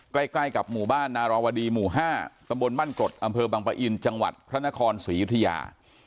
ใกล้กับหมู่บ้านนารวดีหมู่๕ตำบลบ้านกรดอำเภอบังปะอินจังหวัดพระนครศรียุธยา